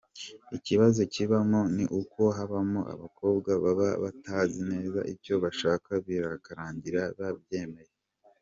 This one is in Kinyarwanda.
Ikibazo kibamo ni uko habamo abakobwa baba batazi neza icyo bashaka bikarangira babyemeye.